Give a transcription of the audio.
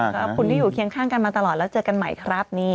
ขอบคุณที่อยู่เคียงข้างกันมาตลอดแล้วเจอกันใหม่ครับ